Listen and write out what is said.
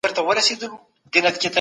اټکل د علمي والي یوازینی معیار نه دی.